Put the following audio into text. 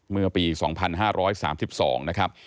เมื่อปี๒๕๓๒นะครับ